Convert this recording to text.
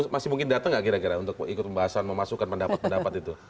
masih mungkin datang nggak kira kira untuk ikut pembahasan memasukkan pendapat pendapat itu